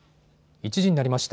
１時になりました。